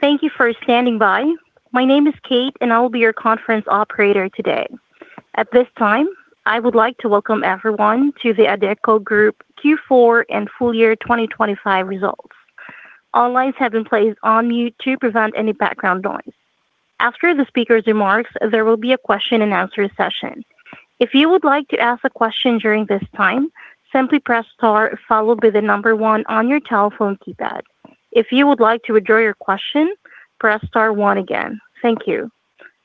Thank you for standing by. My name is Kate, and I will be your conference operator today. At this time, I would like to welcome everyone to the Adecco Group Q4 and full-year 2025 results. All lines have been placed on mute to prevent any background noise. After the speaker's remarks, there will be a question-and-answer session. If you would like to ask a question during this time, simply press star followed by one on your telephone keypad. If you would like to withdraw your question, press star one again. Thank you.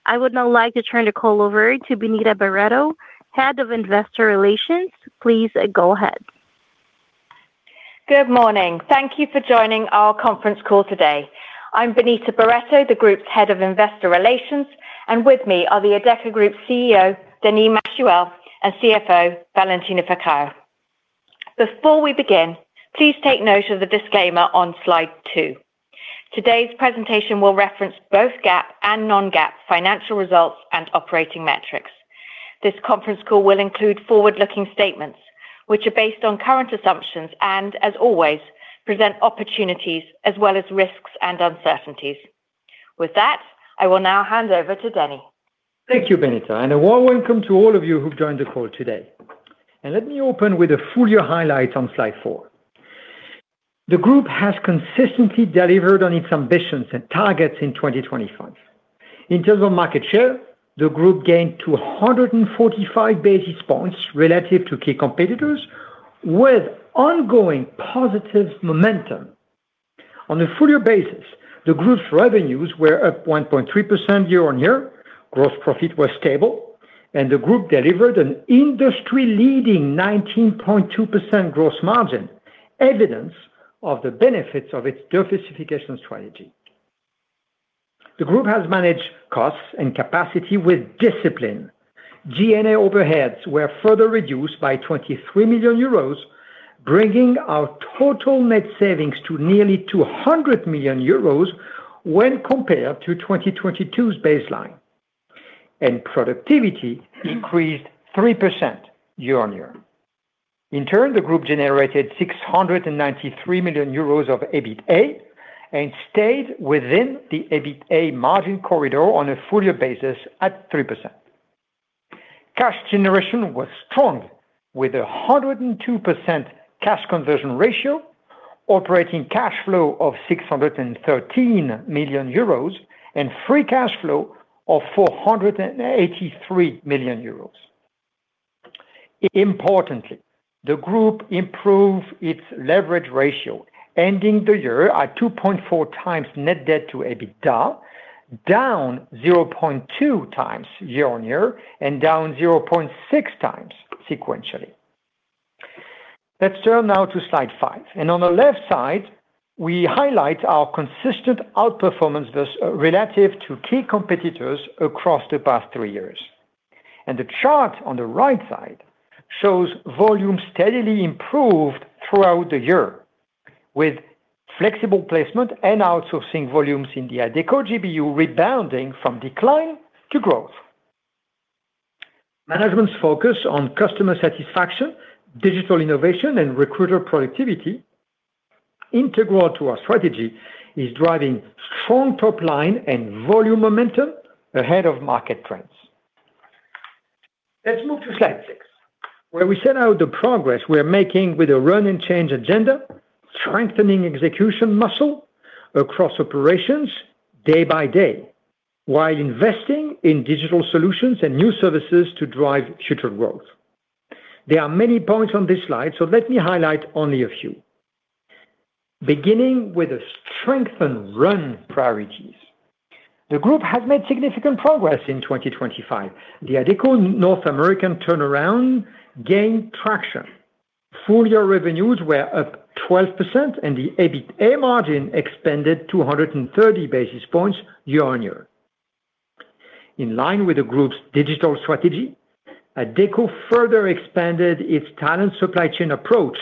I would now like to turn the call over to Benita Barretto, Head of Investor Relations. Please, go ahead. Good morning. Thank you for joining our conference call today. I'm Benita Barretto, the Group's Head of Investor Relations, and with me are the Adecco Group CEO, Denis Machuel, and CFO, Valentina Faccaro. Before we begin, please take note of the disclaimer on slide two. Today's presentation will reference both GAAP and non-GAAP financial results and operating metrics. This conference call will include forward-looking statements, which are based on current assumptions and, as always, present opportunities as well as risks and uncertainties. With that, I will now hand over to Denis. Thank you, Benita, a warm welcome to all of you who've joined the call today. Let me open with a full year highlight on slide four. The group has consistently delivered on its ambitions and targets in 2025. In terms of market share, the group gained 245 basis points relative to key competitors, with ongoing positive momentum. On a full year basis, the group's revenues were up 1.3% year-on-year, gross profit was stable, and the group delivered an industry-leading 19.2% gross margin, evidence of the benefits of its diversification strategy. The group has managed costs and capacity with discipline. G&A overheads were further reduced by 23 million euros, bringing our total net savings to nearly 200 million euros when compared to 2022's baseline. Productivity increased 3% year-on-year. The group generated 693 million euros of EBITDA and stayed within the EBITDA margin corridor on a full-year basis at 3%. Cash generation was strong, with a 102% cash conversion ratio, operating cash flow of 613 million euros, and free cash flow of 483 million euros. Importantly, the group improved its leverage ratio, ending the year at 2.4x net debt to EBITDA, down 0.2x year-on-year and down 0.6x sequentially. Let's turn now to slide five. On the left side, we highlight our consistent outperformance thus relative to key competitors across the past three years. The chart on the right side shows volume steadily improved throughout the year, with flexible placement and outsourcing volumes in the Adecco GBU rebounding from decline to growth. Management's focus on customer satisfaction, digital innovation, and recruiter productivity, integral to our strategy, is driving strong top line and volume momentum ahead of market trends. Let's move to slide six, where we set out the progress we're making with a run and change agenda, strengthening execution muscle across operations day by day, while investing in digital solutions and new services to drive future growth. There are many points on this slide. Let me highlight only a few. Beginning with the strengthen run priorities. The group has made significant progress in 2025. The Adecco North American turnaround gained traction. Full year revenues were up 12%, and the EBITDA margin expanded to 130 basis points year-on-year. In line with the group's digital strategy, Adecco further expanded its talent supply chain approach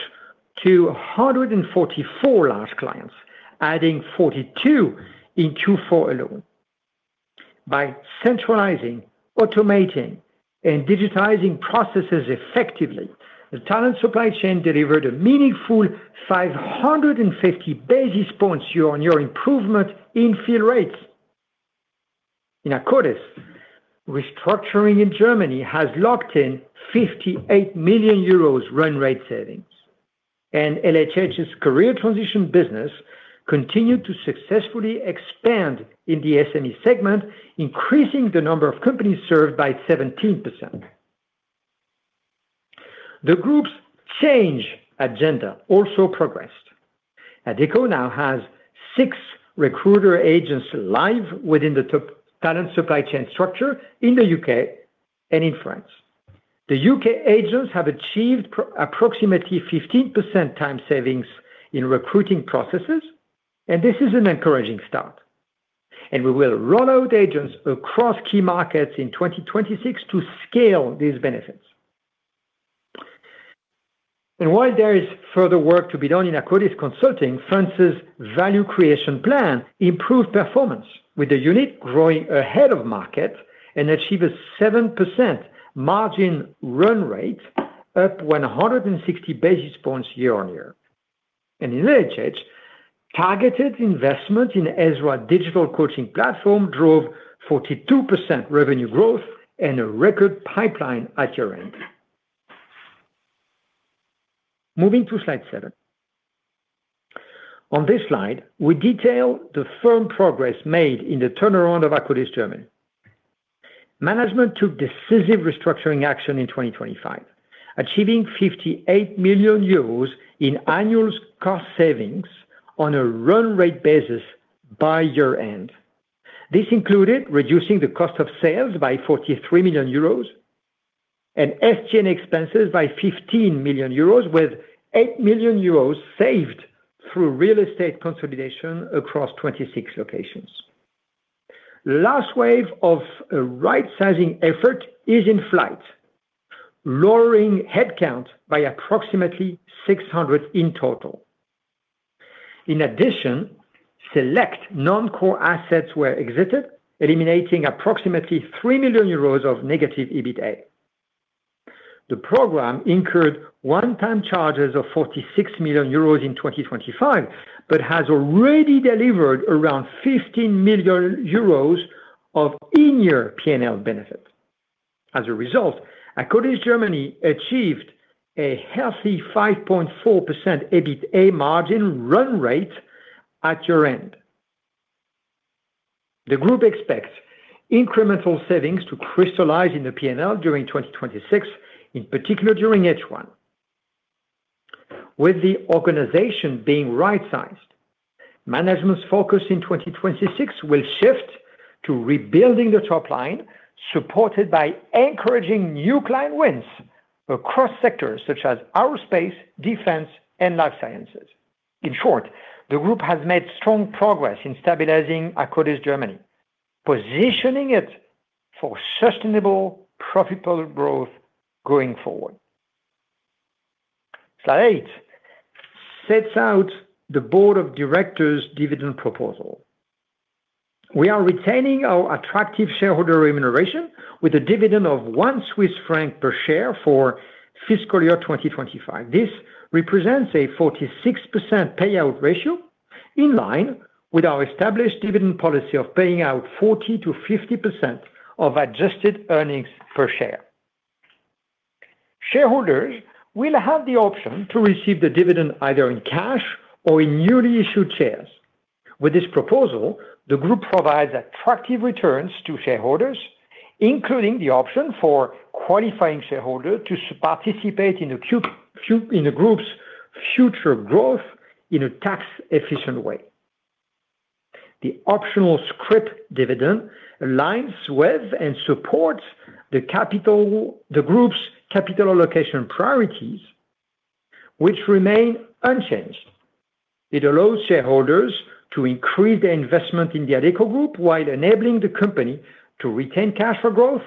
to 144 large clients, adding 42 in Q4 alone. By centralizing, automating, and digitizing processes effectively, the talent supply chain delivered a meaningful 550 basis points year-on-year improvement in fill rates. In Akkodis, restructuring in Germany has locked in 58 million euros run rate savings, and LHH's career transition business continued to successfully expand in the SME segment, increasing the number of companies served by 17%. The group's change agenda also progressed. Adecco now has six recruiter agents live within the talent supply chain structure in the U.K. and in France. The U.K. agents have achieved approximately 15% time savings in recruiting processes, and this is an encouraging start. We will roll out agents across key markets in 2026 to scale these benefits. While there is further work to be done in Akkodis Consulting, France's value creation plan improved performance, with the unit growing ahead of market and achieved a 7% margin run rate, up 160 basis points year-on-year. In LHH, targeted investment in EZRA digital coaching platform drove 42% revenue growth and a record pipeline at year-end. Moving to slide seven. On this slide, we detail the firm progress made in the turnaround of Akkodis Germany. Management took decisive restructuring action in 2025, achieving 58 million euros in annual cost savings on a run rate basis by year-end. This included reducing the cost of sales by 43 million euros and SG&A expenses by 15 million euros, with 8 million euros saved through real estate consolidation across 26 locations. Last wave of a right-sizing effort is in flight, lowering headcount by approximately 600 in total. In addition, select non-core assets were exited, eliminating approximately 3 million euros of negative EBITA. The program incurred one-time charges of 46 million euros in 2025, but has already delivered around 15 million euros of in-year P&L benefit. As a result, Akkodis Germany achieved a healthy 5.4% EBITA margin run rate at year-end. The group expects incremental savings to crystallize in the P&L during 2026, in particular during H1. With the organization being right-sized, management's focus in 2026 will shift to rebuilding the top line, supported by encouraging new client wins across sectors such as aerospace, defense, and life sciences. In short, the group has made strong progress in stabilizing Akkodis Germany, positioning it for sustainable, profitable growth going forward. Slide eight sets out the board of directors' dividend proposal. We are retaining our attractive shareholder remuneration with a dividend of 1 Swiss franc per share for fiscal year 2025. This represents a 46% payout ratio, in line with our established dividend policy of paying out 40%-50% of adjusted earnings per share. Shareholders will have the option to receive the dividend either in cash or in newly issued shares. With this proposal, the group provides attractive returns to shareholders, including the option for qualifying shareholders to participate in the group's future growth in a tax-efficient way. The optional scrip dividend aligns with and supports the group's capital allocation priorities, which remain unchanged. It allows shareholders to increase their investment in the Adecco Group while enabling the company to retain cash for growth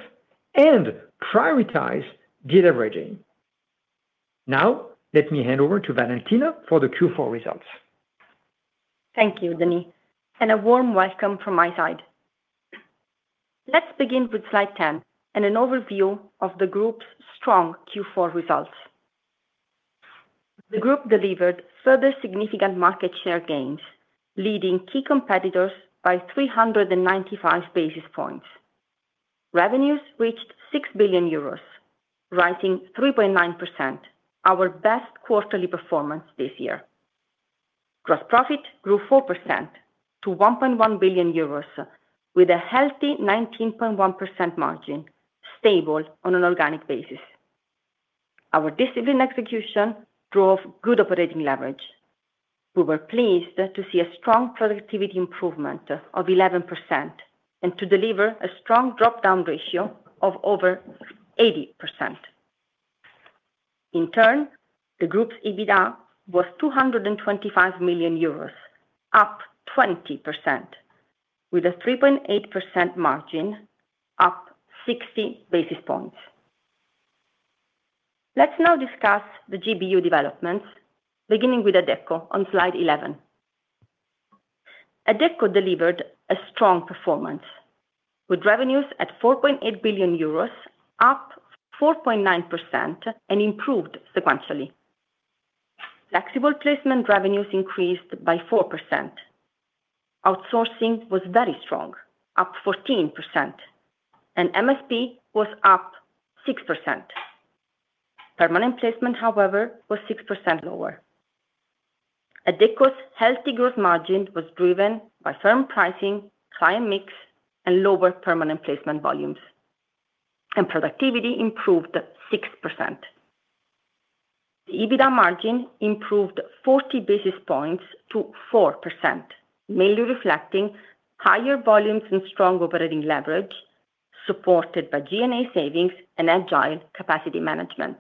and prioritize de-leveraging. Now, let me hand over to Valentina for the Q4 results. Thank you, Denis. A warm welcome from my side. Let's begin with slide 10 and an overview of the group's strong Q4 results. The group delivered further significant market share gains, leading key competitors by 395 basis points. Revenues reached 6 billion euros, rising 3.9%, our best quarterly performance this year. Gross profit grew 4% to 1.1 billion euros, with a healthy 19.1% margin, stable on an organic basis. Our disciplined execution drove good operating leverage. We were pleased to see a strong productivity improvement of 11% and to deliver a strong drop-down ratio of over 80%. In turn, the group's EBITDA was 225 million euros, up 20%, with a 3.8% margin, up 60 basis points. Let's now discuss the GBU developments, beginning with Adecco on slide 11. Adecco delivered a strong performance, with revenues at 4.8 billion euros, up 4.9% and improved sequentially. Flexible placement revenues increased by 4%. Outsourcing was very strong, up 14%. MSP was up 6%. Permanent placement, however, was 6% lower. Adecco's healthy growth margin was driven by firm pricing, client mix, and lower permanent placement volumes. Productivity improved 6%. The EBITDA margin improved 40 basis points to 4%, mainly reflecting higher volumes and strong operating leverage, supported by G&A savings and agile capacity management.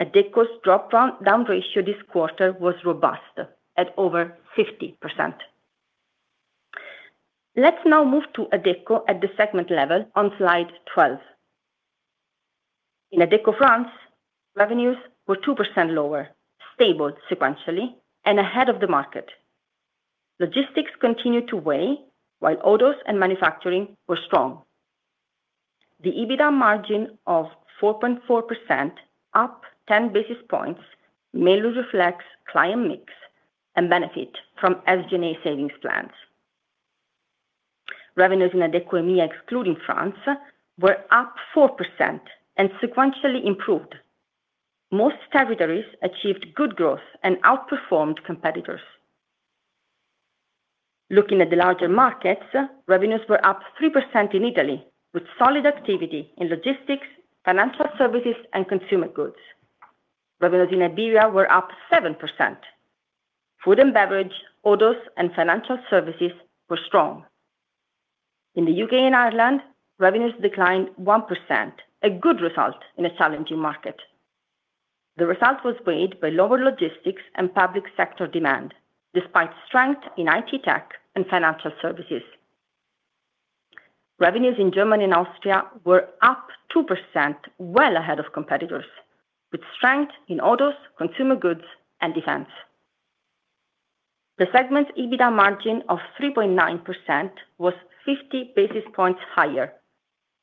Adecco's drop-down ratio this quarter was robust at over 50%. Let's now move to Adecco at the segment level on slide 12. In Adecco France, revenues were 2% lower, stable sequentially and ahead of the market. Logistics continued to weigh, while autos and manufacturing were strong. The EBITDA margin of 4.4%, up 10 basis points, mainly reflects client mix and benefit from SG&A savings plans. Revenues in Adecco EMEA, excluding France, were up 4% and sequentially improved. Most territories achieved good growth and outperformed competitors. Looking at the larger markets, revenues were up 3% in Italy, with solid activity in logistics, financial services, and consumer goods. Revenues in Iberia were up 7%. Food and beverage, autos, and financial services were strong. In the U.K. and Ireland, revenues declined 1%, a good result in a challenging market. The result was weighed by lower logistics and public sector demand, despite strength in IT tech and financial services. Revenues in Germany and Austria were up 2%, well ahead of competitors, with strength in autos, consumer goods, and defense. The segment's EBITDA margin of 3.9% was 50 basis points higher,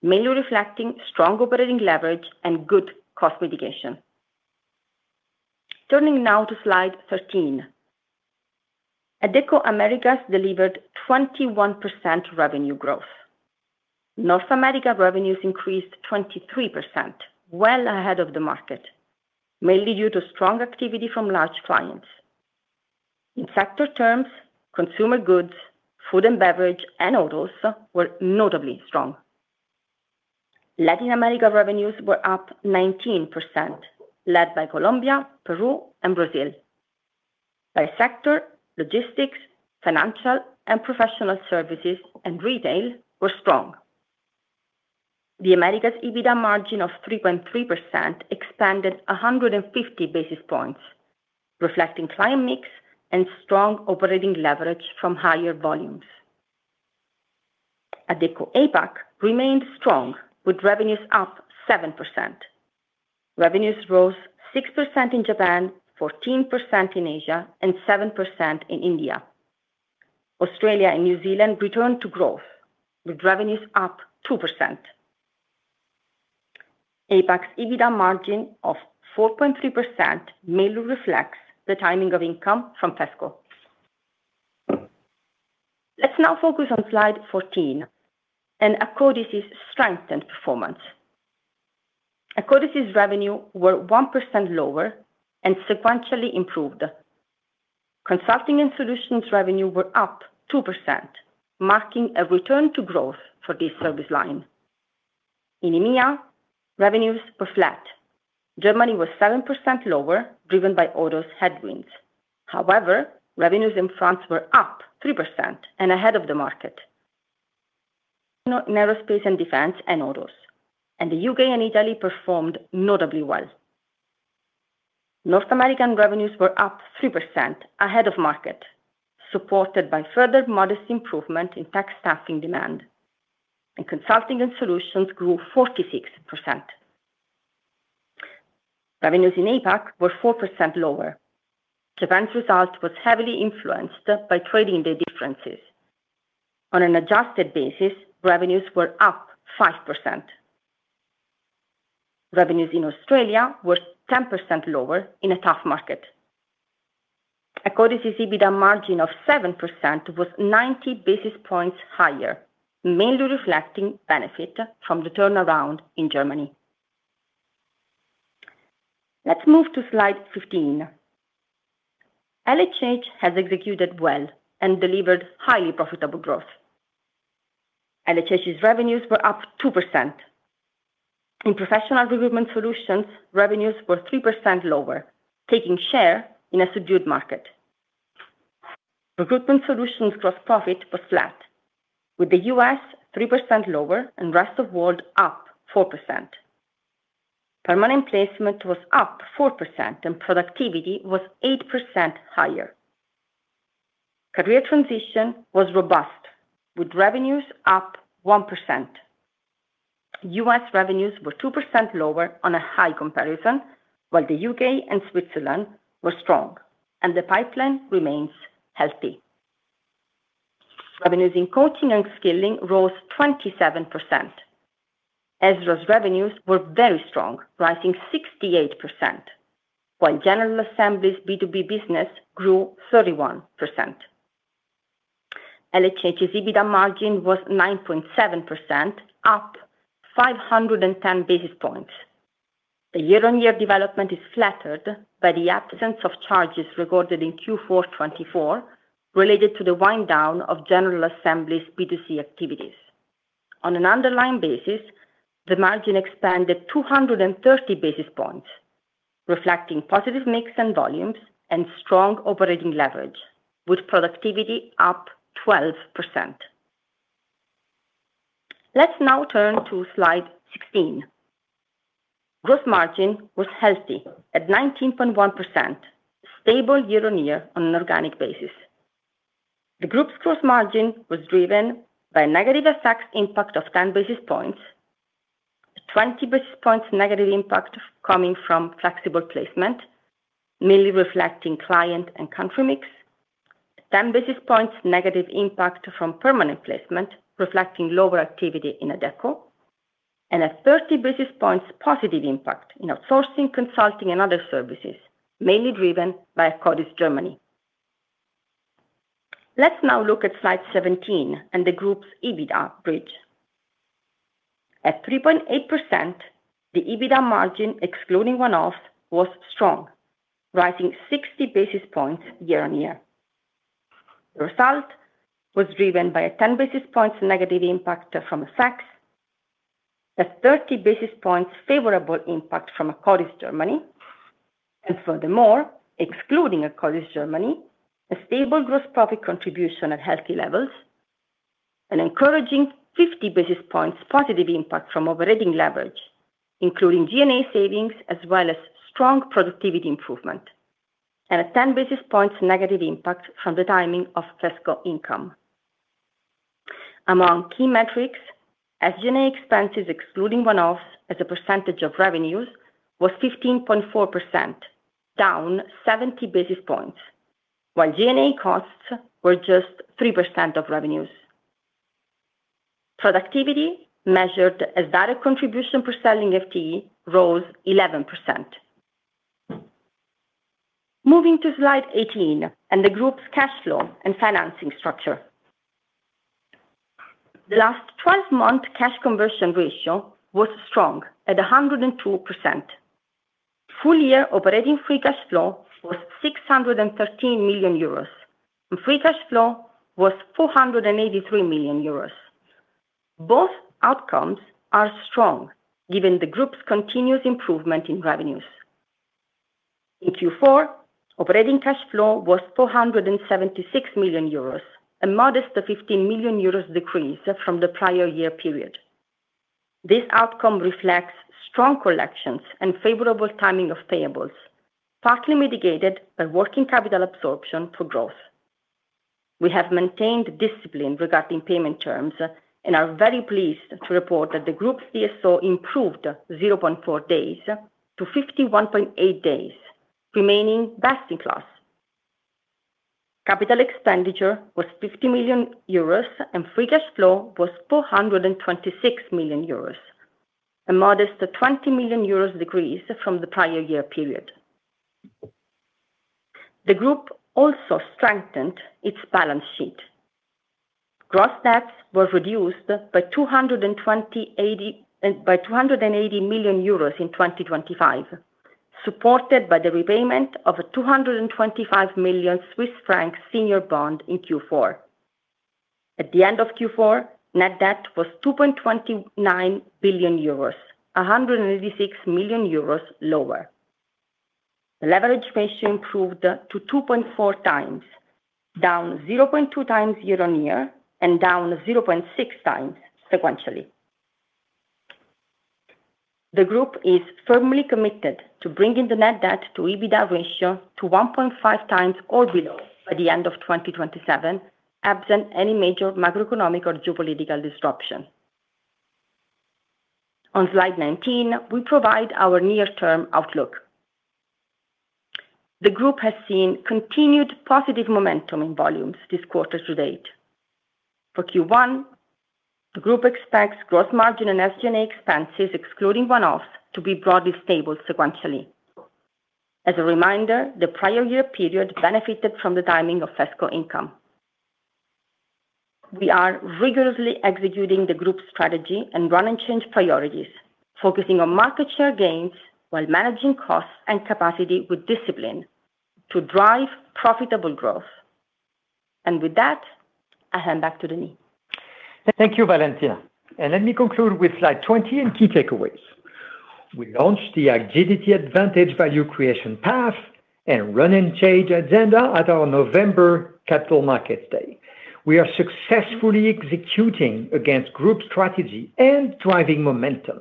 mainly reflecting strong operating leverage and good cost mitigation. Turning now to slide 13. Adecco Americas delivered 21% revenue growth. North America revenues increased 23%, well ahead of the market, mainly due to strong activity from large clients. In sector terms, consumer goods, food and beverage, and autos were notably strong. Latin America revenues were up 19%, led by Colombia, Peru, and Brazil. By sector, logistics, financial and professional services, and retail were strong. The Americas EBITDA margin of 3.3% expanded 150 basis points, reflecting client mix and strong operating leverage from higher volumes. Adecco APAC remained strong, with revenues up 7%. Revenues rose 6% in Japan, 14% in Asia, and 7% in India. Australia and New Zealand returned to growth, with revenues up 2%. APAC's EBITDA margin of 4.3% mainly reflects the timing of income from FESCO. Let's now focus on slide 14, and Akkodis' strengthened performance. Akkodis' revenue were 1% lower and sequentially improved. Consulting and solutions revenue were up 2%, marking a return to growth for this service line. In EMEA, revenues were flat. Germany was 7% lower, driven by autos headwinds. Revenues in France were up 3% and ahead of the market in aerospace and defense and autos, and the U.K. and Italy performed notably well. North American revenues were up 3%, ahead of market, supported by further modest improvement in tech staffing demand, and consulting and solutions grew 46%. Revenues in APAC were 4% lower. Japan's result was heavily influenced by trading day differences. On an adjusted basis, revenues were up 5%. Revenues in Australia were 10% lower in a tough market. Akkodis' EBITDA margin of 7% was 90 basis points higher, mainly reflecting benefit from the turnaround in Germany. Let's move to slide 15. LHH has executed well and delivered highly profitable growth. LHH's revenues were up 2%. In professional Recruitment Solutions, revenues were 3% lower, taking share in a subdued market. Recruitment Solutions gross profit was flat, with the U.S. 3% lower and rest of world up 4%. Permanent placement was up 4%, productivity was 8% higher. Career transition was robust, with revenues up 1%. U.S. revenues were 2% lower on a high comparison, while the U.K. and Switzerland were strong, the pipeline remains healthy. Revenues in coaching and skilling rose 27%. EZRA's revenues were very strong, rising 68%, while General Assembly's B2B business grew 31%. LHH's EBITDA margin was 9.7%, up 510 basis points. The year-on-year development is flattered by the absence of charges recorded in Q4 2024, related to the wind down of General Assembly's B2C activities. On an underlying basis, the margin expanded 230 basis points, reflecting positive mix and volumes and strong operating leverage, with productivity up 12%. Let's now turn to slide 16. Gross margin was healthy at 19.1%, stable year-on-year on an organic basis. The group's gross margin was driven by a negative effects impact of 20 basis points negative impact coming from flexible placement, mainly reflecting client and country mix. 10 basis points negative impact from permanent placement, reflecting lower activity in Adecco, and a 30 basis points positive impact in outsourcing, consulting, and other services, mainly driven by Akkodis Germany. Let's now look at slide 17 and the group's EBITDA bridge. At 3.8%, the EBITDA margin, excluding one-offs, was strong, rising 60 basis points year-on-year. The result was driven by a 10 basis points negative impact from a mix, a 30 basis points favorable impact from Akkodis Germany, and furthermore, excluding Akkodis Germany, a stable gross profit contribution at healthy levels, an encouraging 50 basis points positive impact from operating leverage, including G&A savings, as well as strong productivity improvement, and a 10 basis points negative impact from the timing of FESCO income. Among key metrics, SG&A expenses, excluding one-offs, as a percentage of revenues, was 15.4%, down 70 basis points, while G&A costs were just 3% of revenues. Productivity, measured as Gross Profit per selling FTE, rose 11%. Moving to slide 18 and the group's cash flow and financing structure. The last 12-month cash conversion ratio was strong at 102%. Full year operating free cash flow was 613 million euros, and free cash flow was 483 million euros. Both outcomes are strong, given the group's continuous improvement in revenues. In Q4, operating cash flow was 476 million euros, a modest 15 million euros decrease from the prior year period. This outcome reflects strong collections and favorable timing of payables, partly mitigated by working capital absorption for growth. We have maintained discipline regarding payment terms and are very pleased to report that the group's DSO improved 0.4 days to 51.8 days, remaining best in class. Capital expenditure was 50 million euros, and free cash flow was 426 million euros, a modest 20 million euros decrease from the prior year period. The group also strengthened its balance sheet. Gross debts were reduced by 280 million euros in 2025, supported by the repayment of a 225 million Swiss franc senior bond in Q4. At the end of Q4, net debt was 2.29 billion euros, 186 million euros lower. Leverage ratio improved to 2.4x, down 0.2x year-on-year and down 0.6x sequentially. The group is firmly committed to bringing the net debt to EBITDA ratio to 1.5x or below by the end of 2027, absent any major macroeconomic or geopolitical disruption. On slide 19, we provide our near-term outlook. The group has seen continued positive momentum in volumes this quarter to date. For Q1, the group expects gross margin and SG&A expenses, excluding one-off, to be broadly stable sequentially. As a reminder, the prior year period benefited from the timing of FESCO income. We are rigorously executing the group's strategy and run and change priorities, focusing on market share gains while managing costs and capacity with discipline to drive profitable growth. With that, I hand back to Denis. Thank you, Valentina. Let me conclude with slide 20 and key takeaways. We launched the Agility Advantage value creation path and run and change agenda at our November Capital Markets Day. We are successfully executing against group strategy and driving momentum.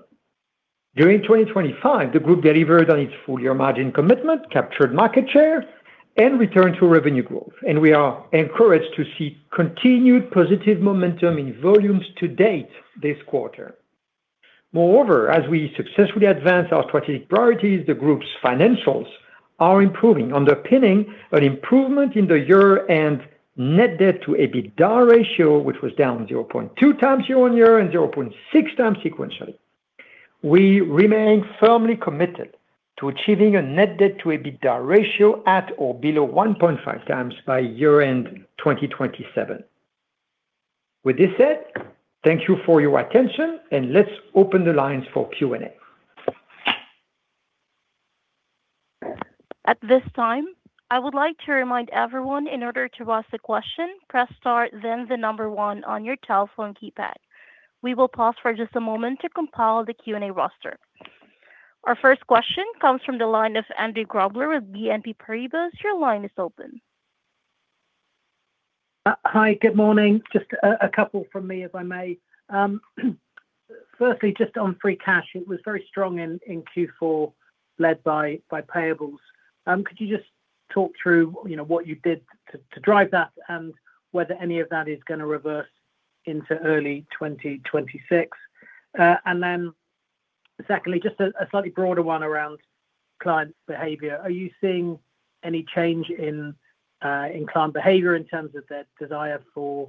During 2025, the group delivered on its full-year margin commitment, captured market share, and returned to revenue growth, and we are encouraged to see continued positive momentum in volumes to date this quarter. Moreover, as we successfully advance our strategic priorities, the group's financials are improving, underpinning an improvement in the year, and net debt to EBITDA ratio, which was down 0.2x year-on-year and 0.6x sequentially. We remain firmly committed to achieving a net debt to EBITDA ratio at or below 1.5x by year-end 2027. With this said, thank you for your attention. Let's open the lines for Q&A. At this time, I would like to remind everyone in order to ask a question, press star then the number one on your telephone keypad. We will pause for just a moment to compile the Q&A roster. Our first question comes from the line of Andrew Grobler with BNP Paribas. Your line is open. Hi, good morning. Just a couple from me, if I may. Firstly, just on free cash, it was very strong in Q4, led by payables. Could you talk through, you know, what you did to drive that, and whether any of that is gonna reverse into early 2026. Secondly, just a slightly broader one around client behavior. Are you seeing any change in client behavior in terms of their desire for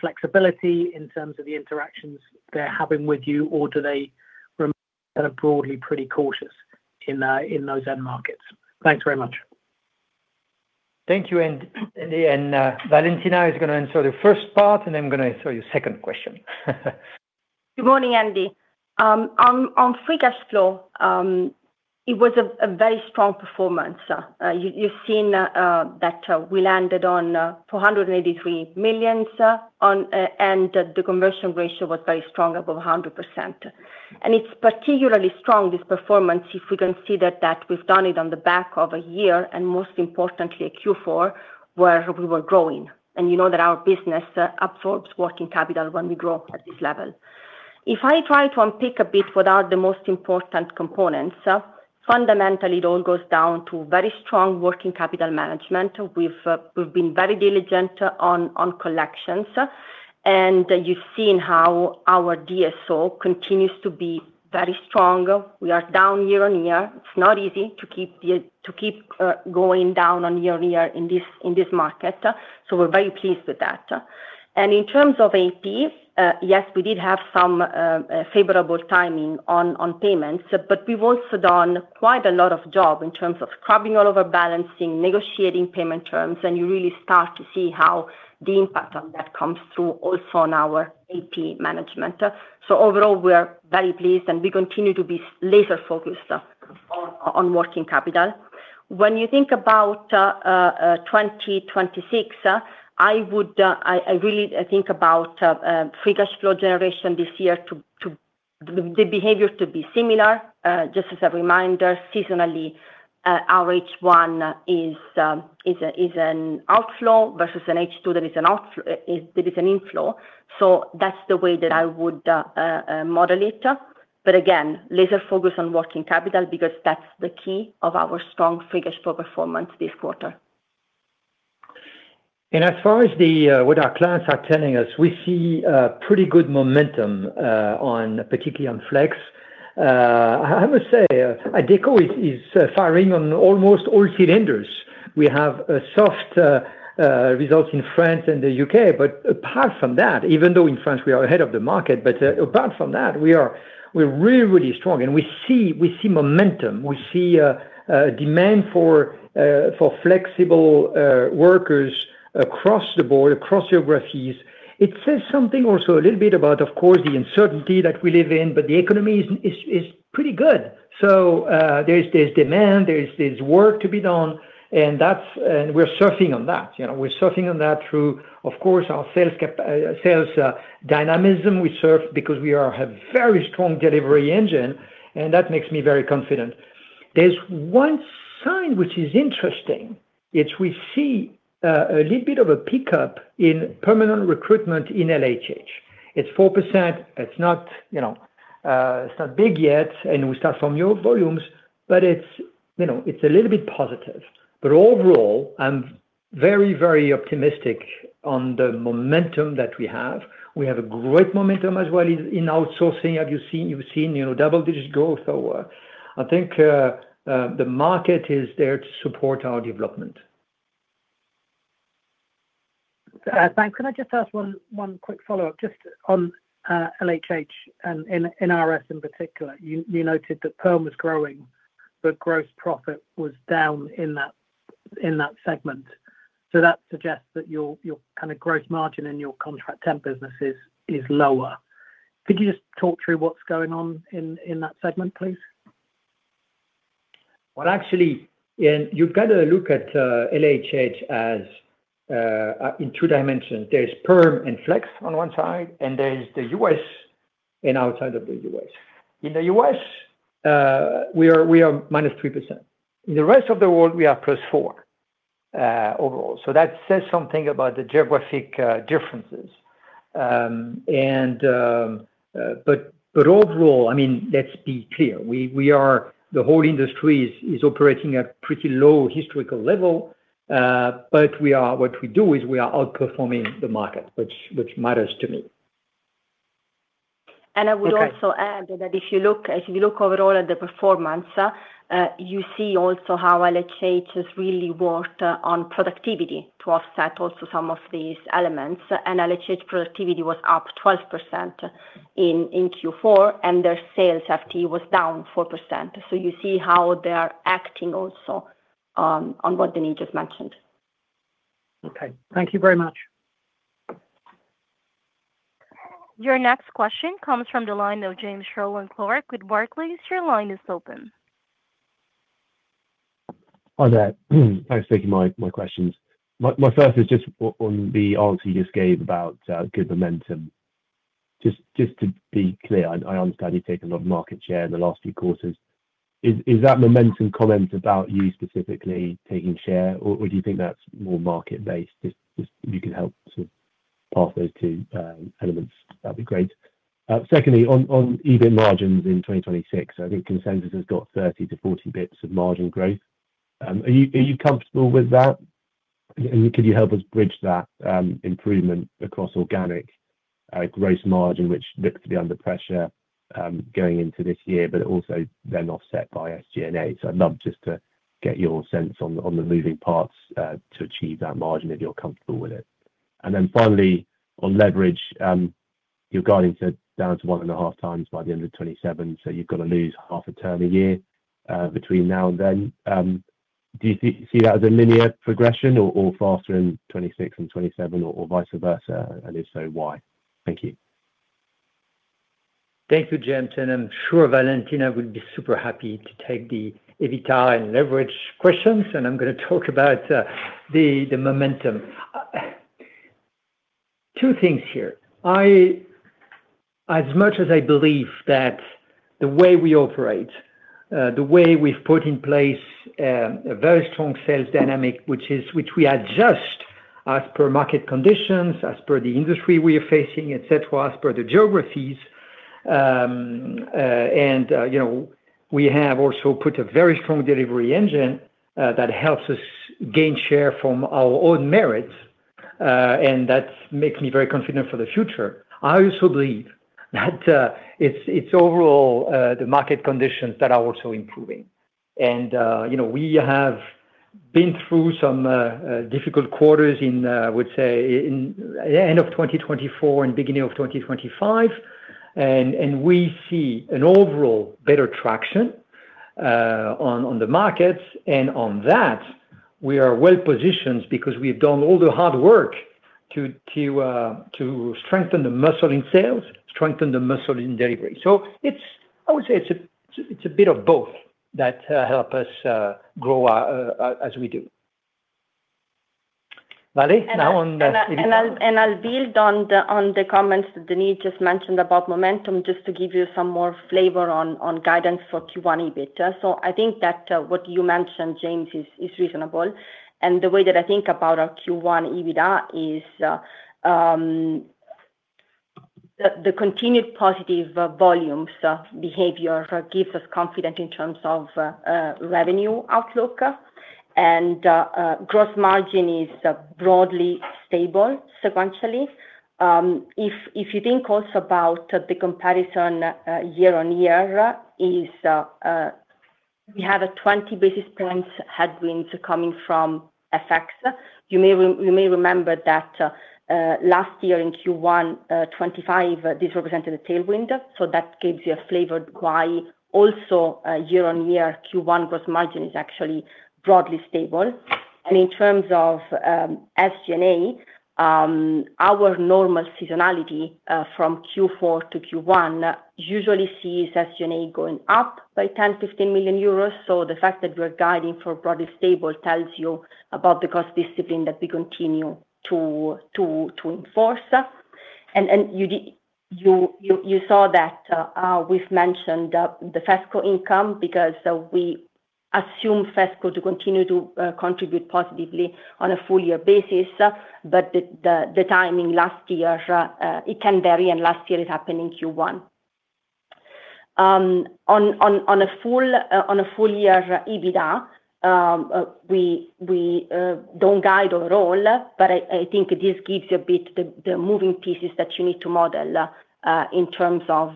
flexibility, in terms of the interactions they're having with you? Or do they remain broadly pretty cautious in those end markets? Thanks very much. Thank you, Andy. Valentina is gonna answer the first part, and I'm gonna answer your second question. Good morning, Andy. On free cash flow, it was a very strong performance. You've seen that we landed on 483 million. The commercial ratio was very strong, above 100%. It's particularly strong, this performance, if we can see that we've done it on the back of a year, and most importantly, Q4, where we were growing. You know that our business absorbs working capital when we grow at this level. If I try to unpick a bit what are the most important components, fundamentally, it all goes down to very strong working capital management. We've been very diligent on collections, and you've seen how our DSO continues to be very strong. We are down year-on-year. It's not easy to keep the, to keep going down on year and year in this, in this market, so we're very pleased with that. In terms of AP, yes, we did have some favorable timing on payments, but we've also done quite a lot of job in terms of scrubbing all of our balancing, negotiating payment terms, and you really start to see how the impact on that comes through also on our AP management. Overall, we're very pleased, and we continue to be laser focused on working capital. When you think about 2026, I would, I really think about free cash flow generation this year to the behavior to be similar. Just as a reminder, seasonally, our H1 is an outflow versus an H2 that is an inflow. That's the way that I would model it. Again, laser focus on working capital because that's the key of our strong free cash flow performance this quarter. As far as the, what our clients are telling us, we see pretty good momentum on, particularly on Flex. I must say, Adecco is firing on almost all cylinders. We have a soft results in France and the U.K., but apart from that, even though in France, we are ahead of the market, apart from that, we're really, really strong. We see momentum, we see a demand for flexible workers across the board, across geographies. It says something also a little bit about, of course, the uncertainty that we live in, but the economy is pretty good. There's demand, there's work to be done, and we're surfing on that. You know, we're surfing on that through, of course, our sales dynamism. We surf because we are a very strong delivery engine, and that makes me very confident. There's one sign which is interesting, it's we see a little bit of a pickup in permanent recruitment in LHH. It's 4%. It's not, you know, it's not big yet, and we start from low volumes, but it's, you know, it's a little bit positive. Overall, I'm very, very optimistic on the momentum that we have. We have a great momentum as well in outsourcing. You've seen, you know, double-digit growth. I think the market is there to support our development. Thanks. Can I just ask one quick follow-up, just on LHH and NRS in particular? You noted that perm was growing, but gross profit was down in that segment. That suggests that your kind of gross margin and your contract temp businesses is lower. Could you just talk through what's going on in that segment, please? Well, actually, you've got to look at LHH as in two dimensions. There's perm and flex on one side, there's the U.S. and outside of the U.S. In the U.S., we are -3%. In the rest of the world, we are +4 overall. That says something about the geographic differences. But overall, I mean, let's be clear, the whole industry is operating at pretty low historical level, what we do is we are outperforming the market, which matters to me. I would also add that if you look, if you look overall at the performance, you see also how LHH has really worked on productivity to offset also some of these elements. LHH productivity was up 12% in Q4, and their sales FT was down 4%. You see how they are acting also on what Denis just mentioned. Okay. Thank you very much. Your next question comes from the line of James Rowland Clark with Barclays. Your line is open. Hi there. Thanks for taking my questions. My first is just on the answer you just gave about good momentum. Just to be clear, I understand you've taken a lot of market share in the last few quarters. Is that momentum comment about you specifically taking share, or do you think that's more market-based? Just if you could help of those two elements, that'd be great. Secondly, on EBIT margins in 2026, I think consensus has got 30-40 bits of margin growth. Are you comfortable with that? Could you help us bridge that improvement across organic gross margin, which looks to be under pressure going into this year, but also then offset by SG&A? I'd love just to get your sense on the, on the moving parts, to achieve that margin, if you're comfortable with it. Finally, on leverage, you're guiding to down to 1.5x by the end of 2027, so you've got to lose half a term a year, between now and then. Do you see that as a linear progression or faster in 2026 and 2027 or vice versa? If so, why? Thank you. Thank you, James. I'm sure Valentina would be super happy to take the EBITDA and leverage questions. I'm gonna talk about the momentum. Two things here: As much as I believe that the way we operate, the way we've put in place a very strong sales dynamic, which we adjust as per market conditions, as per the industry we are facing, et cetera, as per the geographies. You know, we have also put a very strong delivery engine that helps us gain share from our own merits, and that makes me very confident for the future. I also believe that it's overall the market conditions that are also improving. You know, we have been through some difficult quarters, I would say, in the end of 2024 and beginning of 2025, and we see an overall better traction on the markets. On that, we are well-positioned because we've done all the hard work to strengthen the muscle in sales, strengthen the muscle in delivery. I would say it's a, it's a bit of both that help us grow our as we do. Valentina. I'll build on the comments that Denis just mentioned about momentum, just to give you some more flavor on guidance for Q1 EBIT. I think that what you mentioned, James, is reasonable. The way that I think about our Q1 EBITDA is the continued positive volumes behavior gives us confidence in terms of revenue outlook, and gross margin is broadly stable sequentially. If you think also about the comparison year-on-year is we have a 20 basis points headwind coming from FX. You may remember that last year in Q1 2025, this represented a tailwind, that gives you a flavor why also a year-on-year Q1 gross margin is actually broadly stable. In terms of SG&A, our normal seasonality from Q4 to Q1 usually sees SG&A going up by 10-15 million euros. The fact that we're guiding for broadly stable tells you about the cost discipline that we continue to enforce. You saw that we've mentioned the FESCO income because we assume FESCO to continue to contribute positively on a full year basis, but the timing last year, it can vary, and last year it happened in Q1. On a full year EBITDA, we don't guide overall, but I think this gives you a bit the moving pieces that you need to model in terms of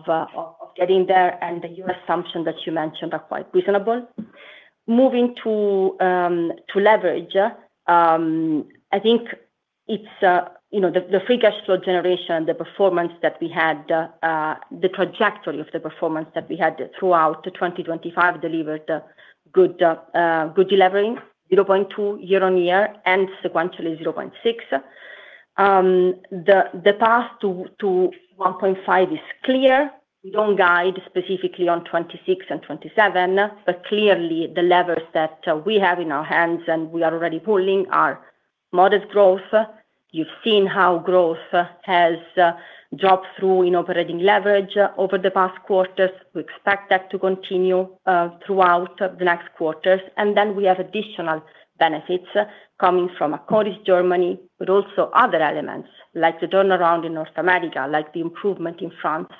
getting there, and your assumption that you mentioned are quite reasonable. Moving to leverage, I think it's, you know, the free cash flow generation, the performance that we had, the trajectory of the performance that we had throughout 2025 delivered a good levering, 0.2 year-on-year and sequentially 0.6. The path to 1.5 is clear. We don't guide specifically on 2026 and 2027, but clearly the levers that we have in our hands and we are already pulling are modest growth. You've seen how growth has dropped through in operating leverage over the past quarters. We expect that to continue throughout the next quarters. We have additional benefits coming from Akkodis Germany, but also other elements like the turnaround in North America, like the improvement in France,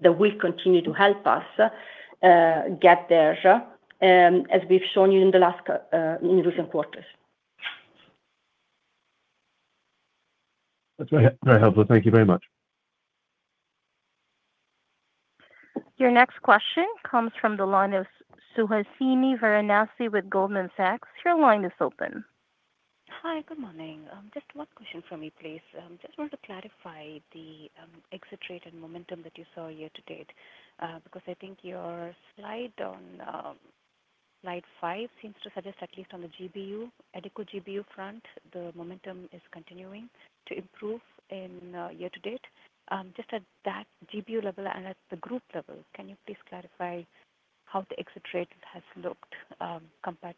that will continue to help us get there, as we've shown you in the last in recent quarters. That's very, very helpful. Thank you very much. Your next question comes from the line of Suhasini Varanasi with Goldman Sachs. Your line is open. Hi, good morning. Just one question for me, please. Just want to clarify the exit rate and momentum that you saw year to date, because I think your slide on slide five seems to suggest, at least on the GBU, Adecco GBU front, the momentum is continuing to improve in year to date. Just at that GBU level and at the group level, can you please clarify how the exit rate has looked, compared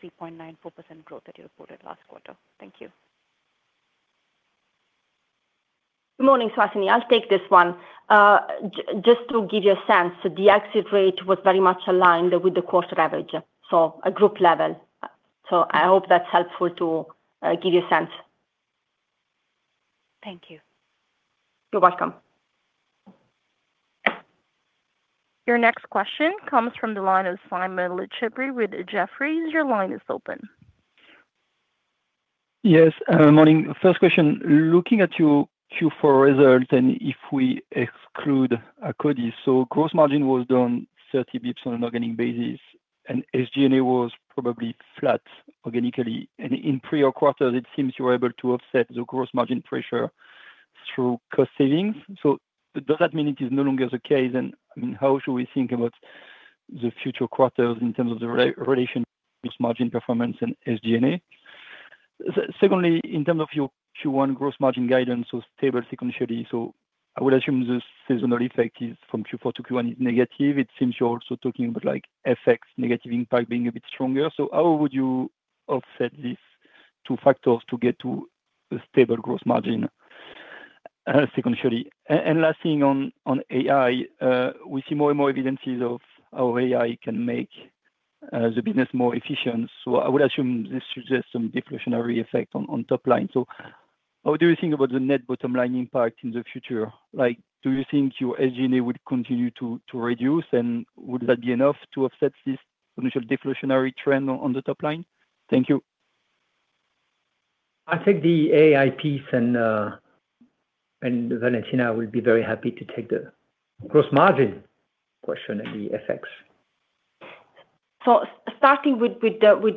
to the 3.94% growth that you reported last quarter? Thank you. Good morning, Suhasini. I'll take this one. Just to give you a sense, the exit rate was very much aligned with the quarter average, so a group level. I hope that's helpful to give you a sense. Thank you. You're welcome. Your next question comes from the line of Simon Lechipre with Jefferies. Your line is open. Morning. First question, looking at your Q4 results, if we exclude Akkodis, gross margin was down 30 basis points on an organic basis, and SG&A was probably flat organically. In prior quarters, it seems you were able to offset the gross margin pressure through cost savings. Does that mean it is no longer the case? I mean, how should we think about the future quarters in terms of the relation, gross margin performance and SG&A? Secondly, in terms of your Q1 gross margin guidance, stable sequentially, I would assume the seasonal effect is from Q4 to Q1 is negative. It seems you're also talking about, like, FX negative impact being a bit stronger. How would you offset these two factors to get to the stable gross margin sequentially? Last thing on AI, we see more and more evidences of how AI can make the business more efficient, so I would assume this suggests some deflationary effect on top line. How do you think about the net bottom line impact in the future? Like, do you think your SG&A would continue to reduce, and would that be enough to offset this initial deflationary trend on the top line? Thank you. I'll take the AI piece, and Valentina will be very happy to take the gross margin question and the FX. Starting with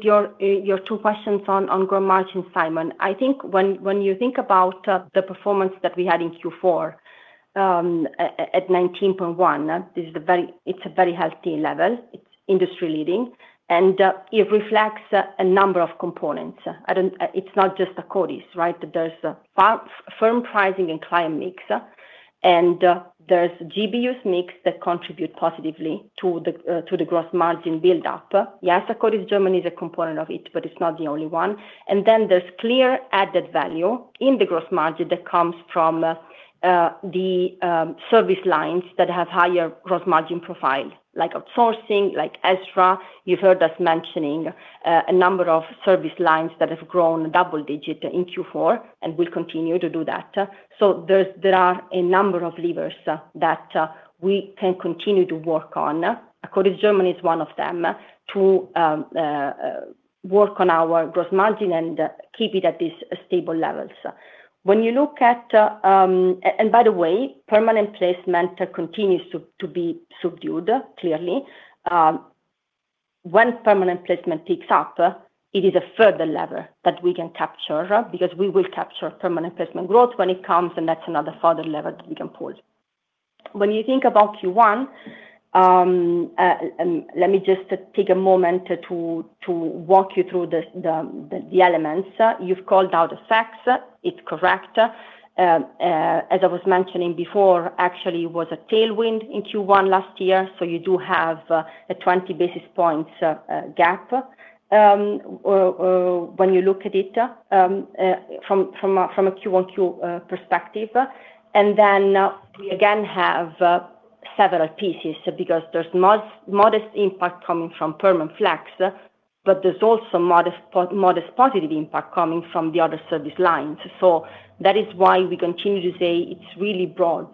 your two questions on gross margin, Simon. I think when you think about the performance that we had in Q4, at 19.1%, it's a very healthy level. It's industry-leading, it reflects a number of components. It's not just Akkodis, right? There's firm pricing and client mix, and there's GBUs mix that contribute positively to the gross margin build-up. Yes, Akkodis Germany is a component of it, but it's not the only one. There's clear added value in the gross margin that comes from the service lines that have higher gross margin profile, like outsourcing, like EZRA. You've heard us mentioning a number of service lines that have grown double-digit in Q4 and will continue to do that. There are a number of levers that we can continue to work on, Akkodis Germany is one of them, to work on our gross margin and keep it at these stable levels. When you look at, by the way, permanent placement continues to be subdued, clearly. When permanent placement picks up, it is a further lever that we can capture, because we will capture permanent placement growth when it comes, and that's another further lever that we can pull. When you think about Q1, let me just take a moment to walk you through the elements. You've called out the facts. It's correct. As I was mentioning before, actually, it was a tailwind in Q1 last year, so you do have a 20 basis points gap, or when you look at it from a Q1Q perspective. Then we again have several pieces, because there's modest impact coming from perm and flex, but there's also modest positive impact coming from the other service lines. That is why we continue to say it's really broad,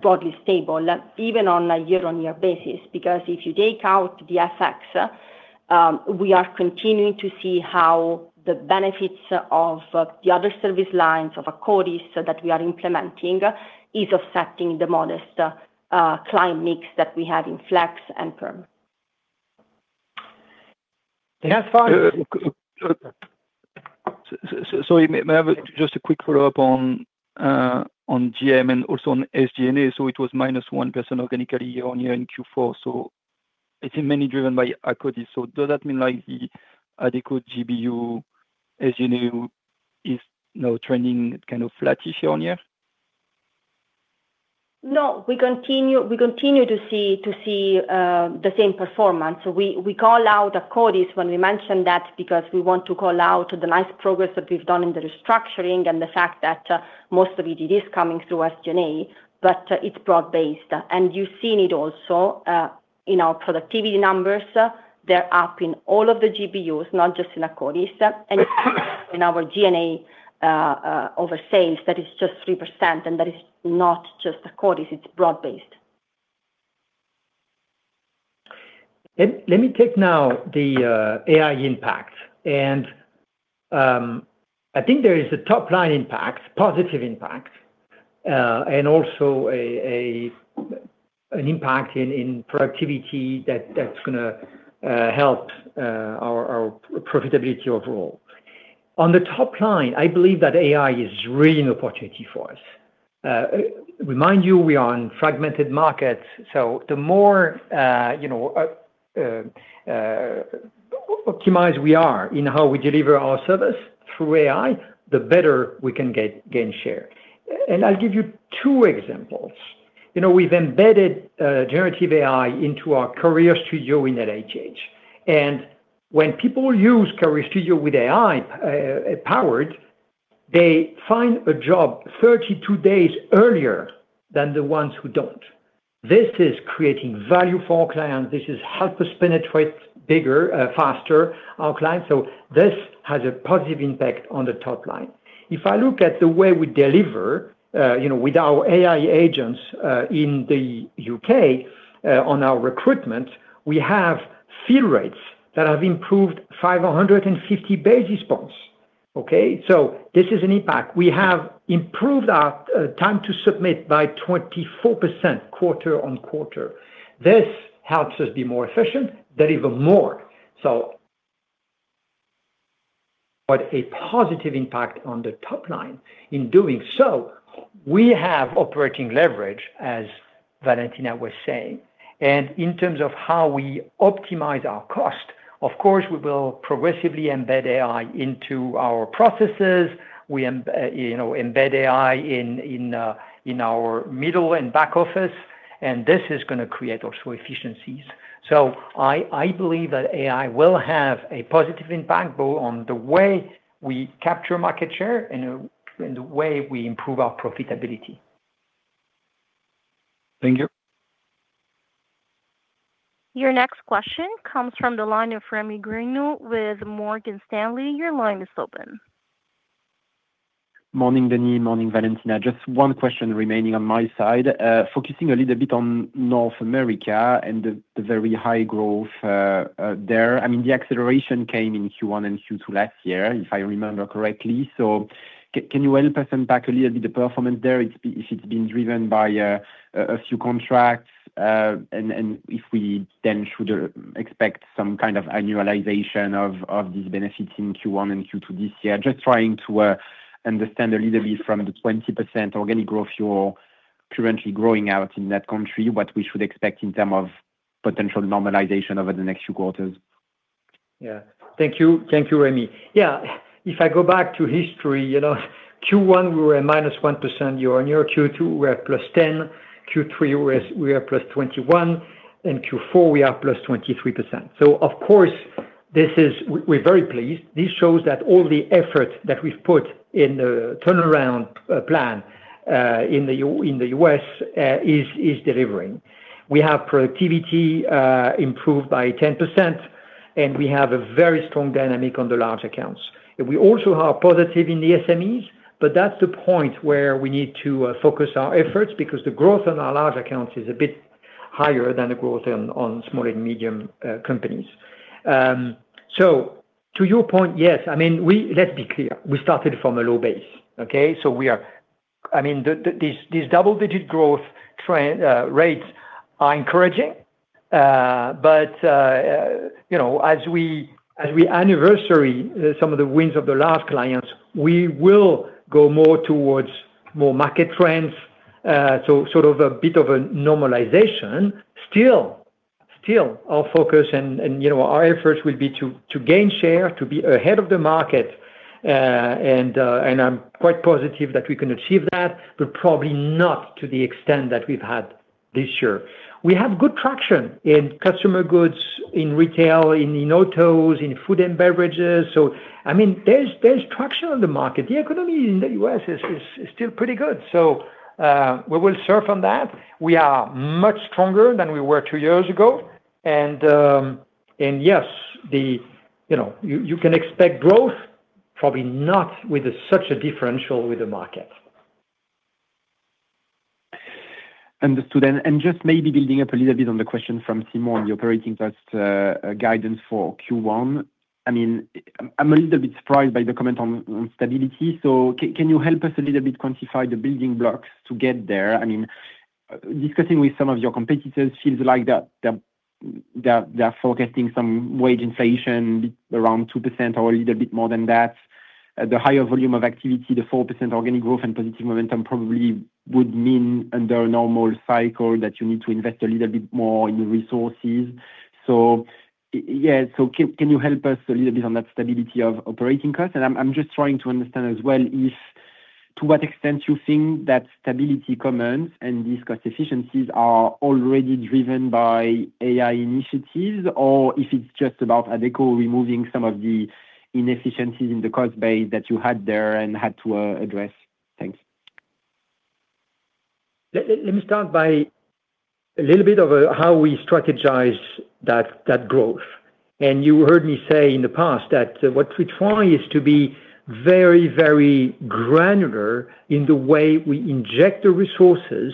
broadly stable, even on a year-on-year basis. If you take out the FX, we are continuing to see how the benefits of the other service lines of Akkodis that we are implementing is affecting the modest client mix that we had in flex and perm. Yeah, fine. may I have just a quick follow-up on GM and also on SG&A? It was -1% organically year-on-year in Q4, so it's mainly driven by Akkodis. Does that mean, like, the other GBU, SG&A is now trending kind of flattish year-on-year? No, we continue to see the same performance. We call out Akkodis when we mention that because we want to call out the nice progress that we've done in the restructuring and the fact that most of it is coming through SG&A, but it's broad-based. You've seen it also in our productivity numbers. They're up in all of the GBUS, not just in Akkodis, in our G&A over sales, that is just 3%, that is not just Akkodis, it's broad-based. Let me take now the AI impact. I think there is a top-line impact, positive impact, and also an impact in productivity that's gonna help our profitability overall. On the top line, I believe that AI is really an opportunity for us. Remind you, we are on fragmented markets, so the more, you know, optimized we are in how we deliver our service through AI, the better we can gain share. I'll give you 2 examples. You know, we've embedded generative AI into our Career Studio in at LHH. When people use Career Studio with AI powered, they find a job 32 days earlier than the ones who don't. This is creating value for our clients. This is help us penetrate bigger, faster our clients. This has a positive impact on the top line. If I look at the way we deliver, you know, with our AI agents in the UK on our recruitment, we have fill rates that have improved 550 basis points. Okay. This is an impact. We have improved our time to submit by 24% quarter-on-quarter. This helps us be more efficient, that even more. A positive impact on the top line. In doing so, we have operating leverage, as Valentina was saying, and in terms of how we optimize our cost, of course, we will progressively embed AI into our processes. We, you know, embed AI in our middle and back office, this is gonna create also efficiencies. I believe that AI will have a positive impact both on the way we capture market share and the way we improve our profitability. Thank you. Your next question comes from the line of Rémi Grenu with Morgan Stanley. Your line is open. Morning, Denis. Morning, Valentina. Just one question remaining on my side. Focusing a little bit on North America and the very high growth there. I mean, the acceleration came in Q1 and Q2 last year, if I remember correctly. Can you help us unpack a little bit the performance there, if it's been driven by a few contracts? And if we then should expect some kind of annualization of these benefits in Q1 and Q2 this year? Just trying to understand a little bit from the 20% organic growth you're currently growing out in that country, what we should expect in term of potential normalization over the next few quarters. Yeah. Thank you. Thank you, Rémi. If I go back to history, you know, Q1, we were at -1% year-on-year. Q2, we were at +10%. Q3, we are +21%. Q4, we are +23%. Of course, we're very pleased. This shows that all the effort that we've put in the turnaround plan in the U.S. is delivering. We have productivity improved by 10%. We have a very strong dynamic on the large accounts. We also are positive in the SMEs, but that's the point where we need to focus our efforts, because the growth on our large accounts is a bit higher than the growth on small and medium companies. To your point, yes, let's be clear, we started from a low base, okay? These double-digit growth trend rates are encouraging, but as we anniversary some of the wins of the large clients, we will go more towards more market trends, a bit of a normalization. Still, our focus and, you know, our efforts will be to gain share, to be ahead of the market, and I'm quite positive that we can achieve that, but probably not to the extent that we've had this year. We have good traction in customer goods, in retail, in autos, in food and beverages. I mean, there's traction on the market. The economy in the U.S. is still pretty good. We will surf on that. We are much stronger than we were two years ago, and yes. You know, you can expect growth, probably not with a such a differential with the market. Understood. Just maybe building up a little bit on the question from Simon, the operating costs guidance for Q1. I mean, I'm a little bit surprised by the comment on stability. Can you help us a little bit quantify the building blocks to get there? I mean, discussing with some of your competitors feels like that they're forecasting some wage inflation around 2% or a little bit more than that. The higher volume of activity, the 4% organic growth and positive momentum probably would mean, under a normal cycle, that you need to invest a little bit more in resources. Yes, can you help us a little bit on that stability of operating costs? I'm just trying to understand as well if, to what extent you think that stability comments and these cost efficiencies are already driven by AI initiatives, or if it's just about Adecco removing some of the inefficiencies in the cost base that you had there and had to address? Thanks. Let me start by a little bit of how we strategize that growth. You heard me say in the past that what we try is to be very, very granular in the way we inject the resources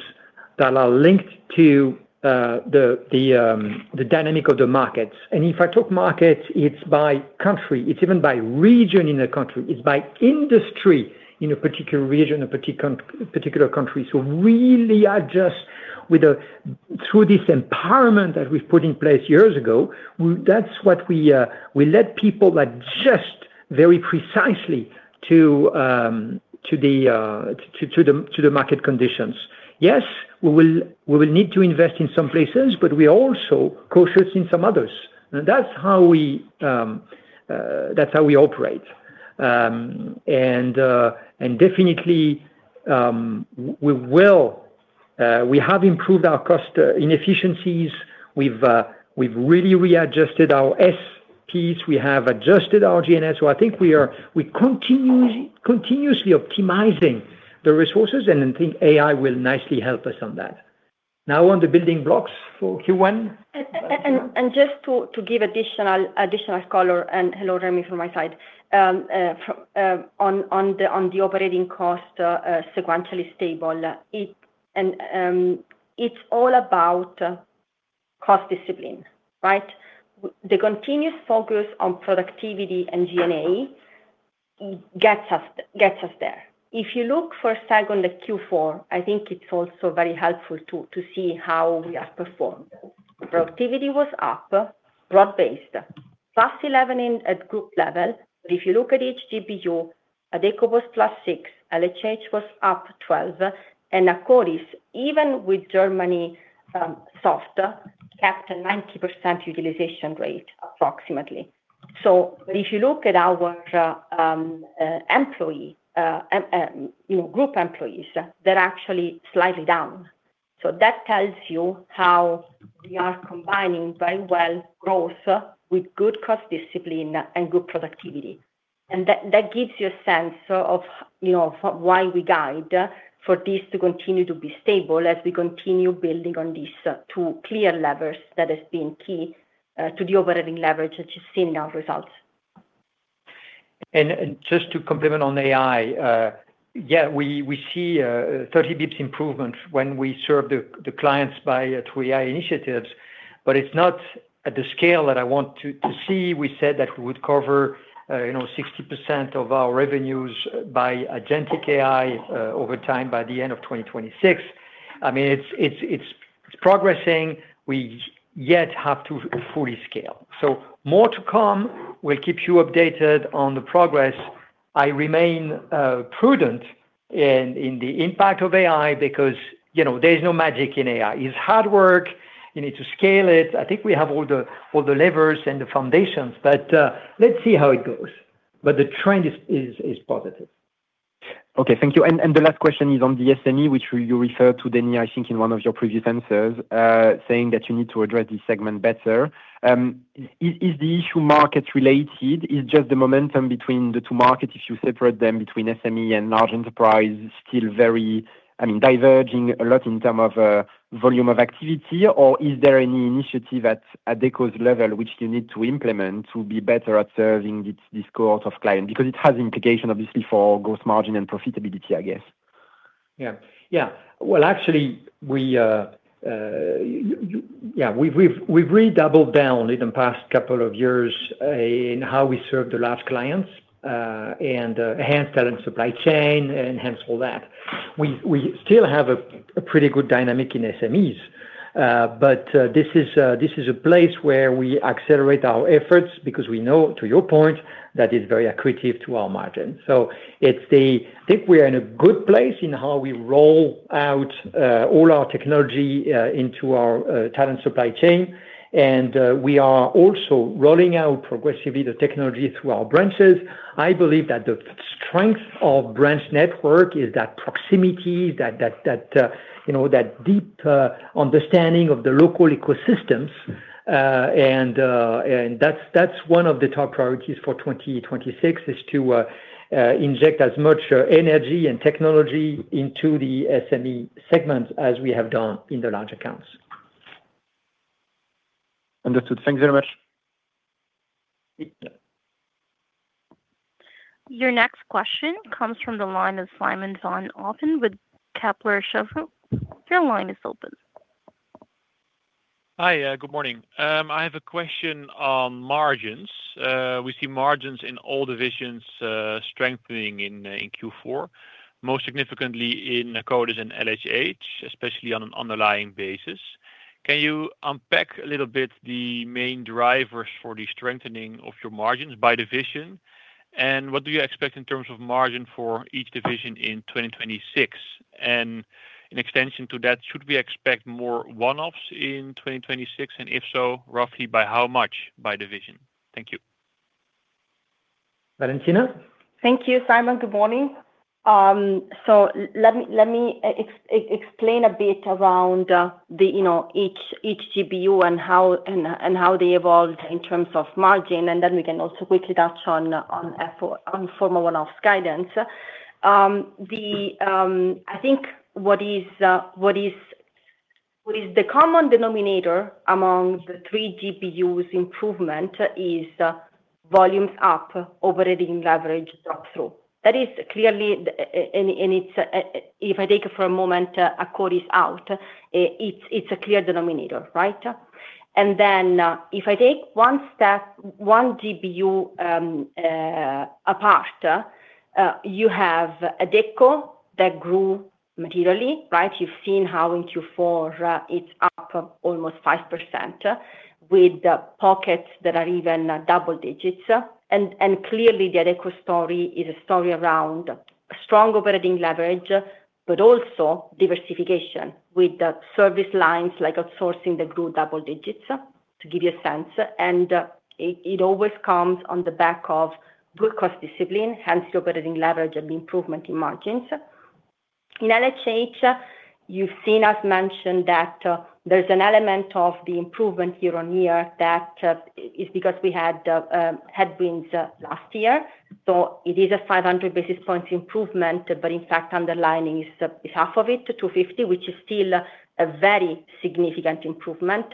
that are linked to the dynamic of the markets. If I talk markets, it's by country, it's even by region in a country, it's by industry in a particular region, a particular country. Really adjust through this empowerment that we've put in place years ago, that's what we let people adjust very precisely to the market conditions. Yes, we will need to invest in some places, but we're also cautious in some others. That's how we operate. Definitely, we will, we have improved our cost inefficiencies. We've really readjusted our SPs, we have adjusted our G&A. I think we continuously optimizing the resources, and I think AI will nicely help us on that. On the building blocks for Q1? Just to give additional color, and hello, Remi, from my side. On the operating cost, sequentially stable, and it's all about cost discipline, right? The continuous focus on productivity and G&A gets us there. If you look for a seg on the Q4, I think it's also very helpful to see how we have performed. Productivity was up, broad-based, +11 in at group level. If you look at each GBU, Adecco was +6, LHH was +12, and Akkodis is, even with Germany, softer, kept a 90% utilization rate, approximately. If you look at our employee, you know, group employees, they're actually slightly down. That tells you how we are combining very well growth with good cost discipline and good productivity. That gives you a sense of, you know, why we guide for this to continue to be stable as we continue building on these two clear levers that has been key to the operating leverage, that you've seen our results. Just to complement on AI, yeah, we see 30 basis points improvement when we serve the clients by three AI initiatives, but it's not at the scale that I want to see. We said that we would cover, you know, 60% of our revenues by agentic AI, over time, by the end of 2026. I mean, it's progressing. We yet have to fully scale. More to come. We'll keep you updated on the progress. I remain prudent in the impact of AI because, you know, there's no magic in AI. It's hard work. You need to scale it. I think we have all the levers and the foundations, but let's see how it goes. The trend is positive. Okay, thank you. The last question is on the SME, which you referred to, Denis, I think in one of your previous answers, saying that you need to address this segment better. Is the issue market-related? Is just the momentum between the two markets, if you separate them between SME and large enterprise, still very, I mean, diverging a lot in term of volume of activity? Is there any initiative at Adecco's level, which you need to implement to be better at serving this cohort of client? Because it has implication, obviously, for gross margin and profitability, I guess. Well, actually, we've really doubled down in the past couple of years, in how we serve the large clients, and enhance talent supply chain and enhance all that. We still have a pretty good dynamic in SMEs, but this is a place where we accelerate our efforts because we know, to your point, that is very accretive to our margin. I think we are in a good place in how we roll out all our technology into our talent supply chain, and we are also rolling out progressively the technology through our branches. I believe that the strength of branch network is that proximity, that, you know, that deep understanding of the local ecosystems. That's one of the top priorities for 2026, is to inject as much energy and technology into the SME segments as we have done in the large accounts. Understood. Thank you very much. Your next question comes from the line of Simon Van Oppen with Kepler Cheuvreux. Your line is open. Hi, good morning. I have a question on margins. We see margins in all divisions strengthening in Q4, most significantly in Akkodis and LHH, especially on an underlying basis. Can you unpack a little bit the main drivers for the strengthening of your margins by division? What do you expect in terms of margin for each division in 2026? In extension to that, should we expect more one-offs in 2026? If so, roughly by how much by division? Thank you. Valentina? Thank you, Simon. Good morning. Let me explain a bit around the, you know, each GBU and how they evolved in terms of margin, and then we can also quickly touch on formal one-off guidance. The, I think what is the common denominator among the three GBUs improvement is volumes up, operating leverage drop through. That is clearly, and it's, if I take it for a moment, Akkodis is out, it's a clear denominator, right? If I take one GBU apart, you have Adecco that grew materially, right? You've seen how in Q4, it's up almost 5%, with the pockets that are even double digits. Clearly, the Adecco story is a story around strong operating leverage, but also diversification with the service lines like outsourcing that grew double digits, to give you a sense. It always comes on the back of good cost discipline, hence the operating leverage and the improvement in margins. In LHH, you've seen us mention that there's an element of the improvement year-on-year that is because we had headwinds last year. It is a 500 basis points improvement, but in fact, underlining is half of it to 250, which is still a very significant improvement.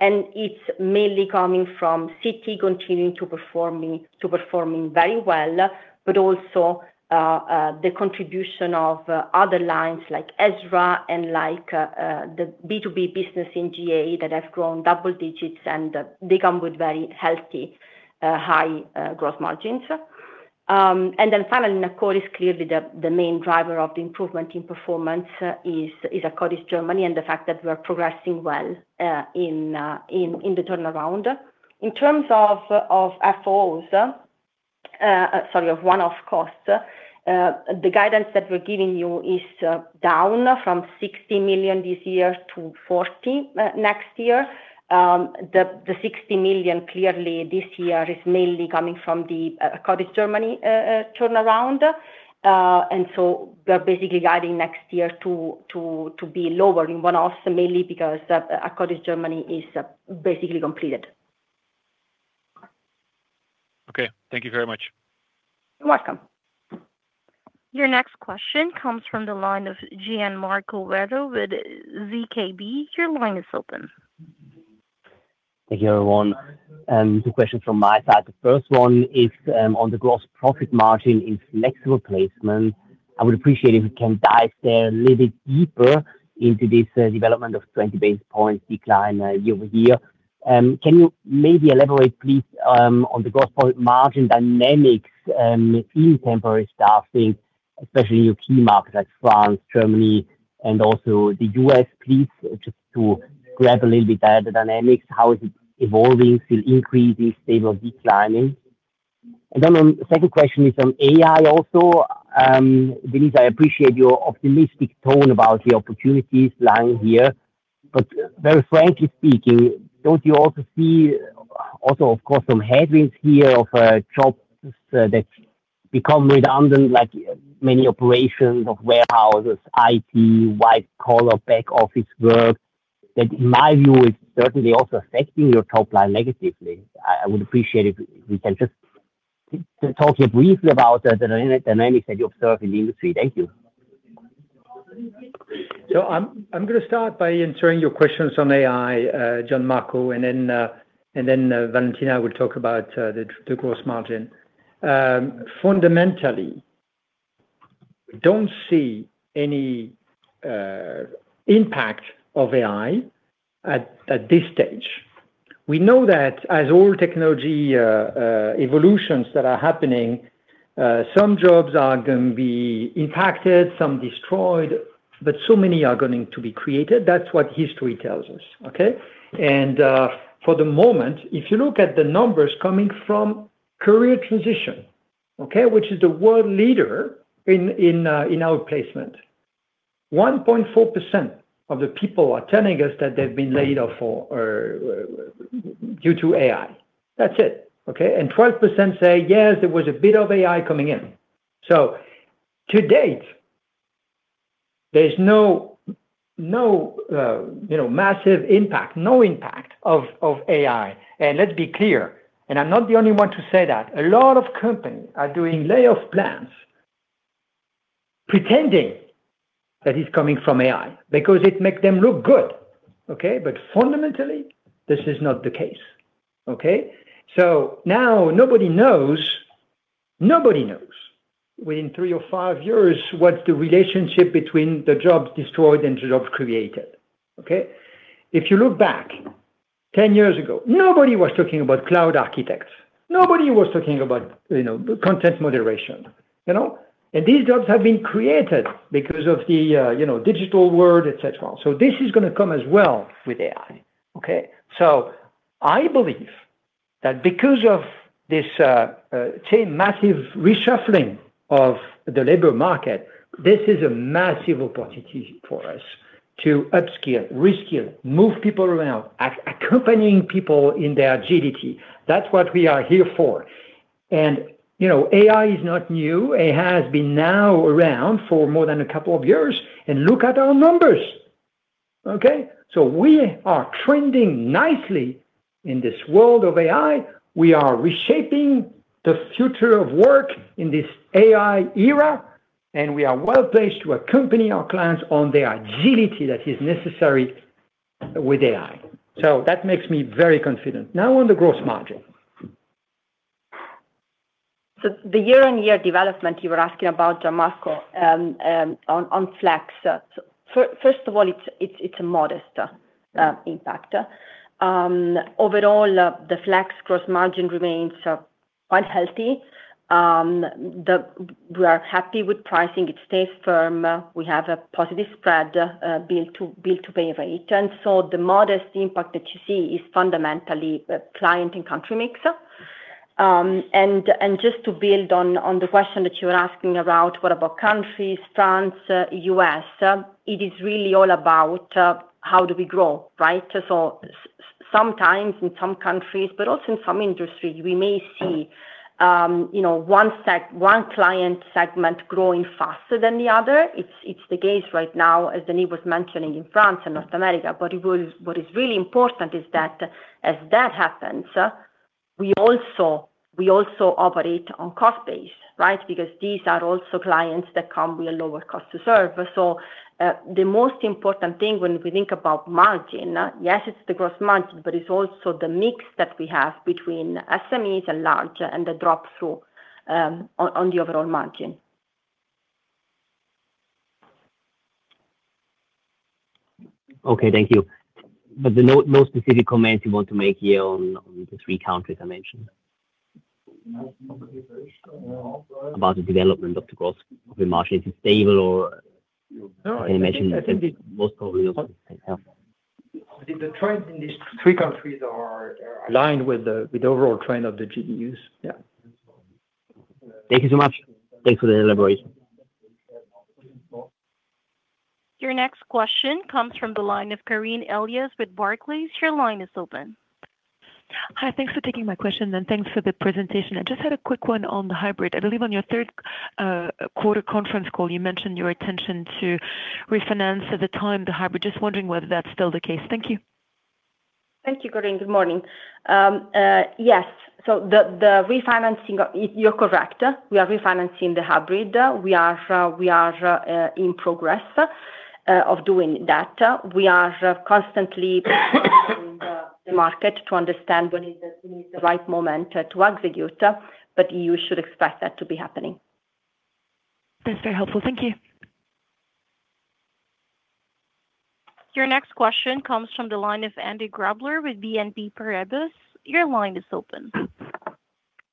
It's mainly coming from Citi continuing to performing very well, but also the contribution of other lines like EZRA and like the B2B business in GA that have grown double digits and they come with very healthy, high growth margins. Finally, in Akkodis is clearly the main driver of the improvement in performance is Akkodis Germany, and the fact that we are progressing well in the turnaround. In terms of FO's, sorry, of one-off costs, the guidance that we're giving you is down from 60 million this year to 40 next year. The 60 million clearly this year is mainly coming from the Akkodis Germany turnaround. We're basically guiding next year to be lower in one-off, mainly because Akkodis Germany is basically completed. Okay. Thank you very much. You're welcome. Your next question comes from the line of Gian Marco Werro with ZKB. Your line is open. Thank you, everyone. Two questions from my side. The first one is on the gross profit margin in flexible placement. I would appreciate if you can dive there a little bit deeper into this development of 20 basis points decline year-over-year. Can you maybe elaborate please on the gross profit margin dynamics in temporary staffing, especially in your key markets like France, Germany, and also the US, please, just to grab a little bit better the dynamics, how is it evolving, still increasing, stable, declining? Then on the second question is on AI also. Denis, I appreciate your optimistic tone about the opportunities lying here, very frankly speaking, don't you also see also, of course, some headwinds here of jobs that become redundant, like many operations of warehouses, IT, white collar, back office work, that in my view, is certainly also affecting your top line negatively? I would appreciate if we can just talk here briefly about the dynamics that you observe in the industry. Thank you. I'm gonna start by answering your questions on AI, Gian-Marco, and then Valentina will talk about the gross margin. Fundamentally, we don't see any impact of AI at this stage. We know that as all technology evolutions that are happening, some jobs are gonna be impacted, some destroyed, but so many are going to be created. That's what history tells us, okay? For the moment, if you look at the numbers coming from career transition, okay, which is the world leader in our placement, 1.4% of the people are telling us that they've been laid off for, or due to AI. That's it, okay? 12% say, "Yes, there was a bit of AI coming in." To date, there's no, you know, massive impact, no impact of AI. Let's be clear, and I'm not the only one to say that, a lot of companies are doing layoff plans, pretending that it's coming from AI because it makes them look good, okay. Fundamentally, this is not the case, okay. Now, nobody knows within three or five years, what the relationship is between the jobs destroyed and the jobs created, okay. If you look back, 10 years ago, nobody was talking about cloud architects. Nobody was talking about, you know, content moderation, you know. These jobs have been created because of the, you know, digital world, et cetera. This is gonna come as well with AI, okay. I believe that because of this massive reshuffling of the labor market, this is a massive opportunity for us to upskill, reskill, move people around, accompanying people in their agility. That's what we are here for. You know, AI is not new. It has been now around for more than a couple of years, and look at our numbers, okay? We are trending nicely in this world of AI. We are reshaping the future of work in this AI era, and we are well-placed to accompany our clients on the agility that is necessary with AI. That makes me very confident. Now, on the gross margin. The year-on-year development you were asking about, Gian-Marco, on flex. First of all, it's a modest impact. Overall, the flex gross margin remains quite healthy. We are happy with pricing. It stays firm. We have a positive spread, bill to pay rate, the modest impact that you see is fundamentally a client and country mix. Just to build on the question that you were asking about, what about countries, France, U.S.? It is really all about how do we grow, right? Sometimes in some countries, but also in some industries, we may see, you know, one client segment growing faster than the other. It's the case right now, as Denis Machuel was mentioning in France and North America. What is really important is that as that happens, we also operate on cost base, right? Because these are also clients that come with a lower cost to serve. The most important thing when we think about margin, yes, it's the gross margin, but it's also the mix that we have between SMEs and large, and the drop-through, on the overall margin. Okay, thank you. No specific comments you want to make here on the three countries I mentioned? About the development of the gross margin, is it stable or any mention, most probably, yeah? I think the trends in these three countries are aligned with the overall trend of the GBUs. Yeah. Thank you so much. Thanks for the elaboration. Your next question comes from the line of Irene Austin with Barclays. Your line is open. Hi, thanks for taking my question, and thanks for the presentation. I just had a quick one on the hybrid. I believe on your third quarter conference call, you mentioned your attention to refinance at the time, the hybrid. Just wondering whether that's still the case. Thank you. Thank you, Irene. Good morning. Yes, you're correct. We are refinancing the hybrid. We are in progress of doing that. We are constantly the market to understand when the right moment is to execute, but you should expect that to be happening. That's very helpful. Thank you. Your next question comes from the line of Andrew Grobler with BNP Paribas. Your line is open.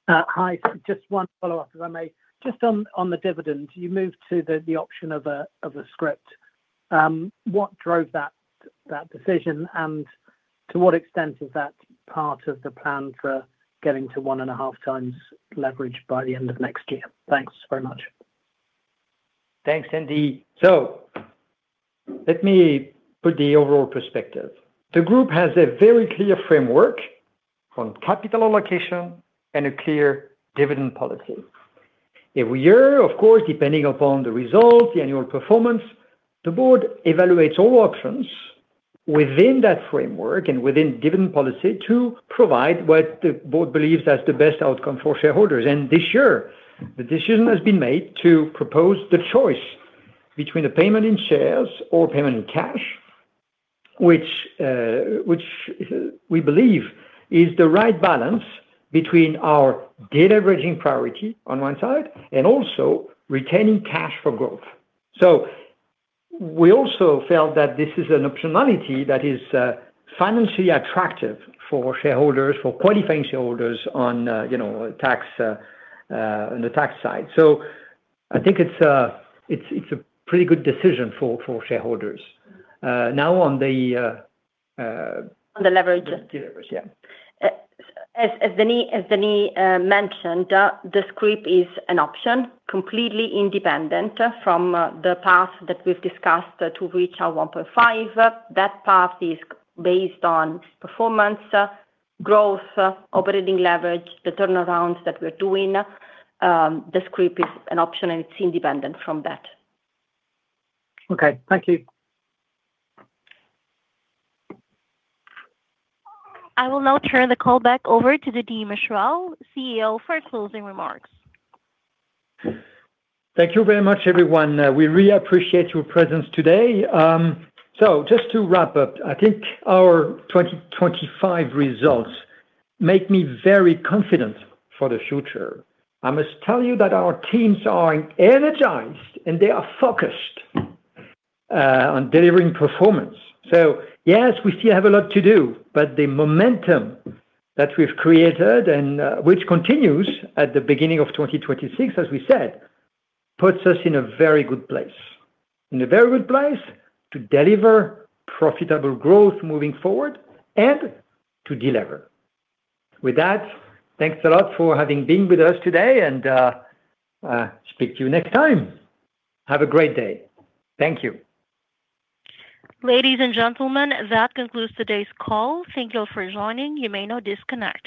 Hi. Just one follow-up, if I may. Just on the dividend, you moved to the option of a scrip. What drove that decision, and to what extent is that part of the plan for getting to 1.5x leverage by the end of next year? Thanks very much. Thanks, Andrew Grobler. Let me put the overall perspective. The group has a very clear framework on capital allocation and a clear dividend policy. Every year, of course, depending upon the results, the annual performance, the board evaluates all options within that framework and within given policy to provide what the board believes is the best outcome for shareholders. This year, the decision has been made to propose the choice between a payment in shares or payment in cash, which we believe is the right balance between our de-leveraging priority on one side and also retaining cash for growth. We also felt that this is an optionality that is financially attractive for shareholders, for qualifying shareholders on, you know, tax, on the tax side. I think it's a pretty good decision for shareholders. Now on the leverage, yeah. As Denis mentioned, the scrip is an option, completely independent from the path that we've discussed to reach our 1.5 billion. That path is based on performance, growth, operating leverage, the turnaround that we're doing. The scrip is an option, and it's independent from that. Okay, thank you. I will now turn the call back over to Denis Machuel, CEO, for closing remarks. Thank you very much, everyone. We really appreciate your presence today. Just to wrap up, I think our 2025 results make me very confident for the future. I must tell you that our teams are energized, and they are focused on delivering performance. Yes, we still have a lot to do, but the momentum that we've created and which continues at the beginning of 2026, as we said, puts us in a very good place. In a very good place to deliver profitable growth moving forward and to delever. With that, thanks a lot for having been with us today, and speak to you next time. Have a great day. Thank you. Ladies and gentlemen, that concludes today's call. Thank you for joining. You may now disconnect.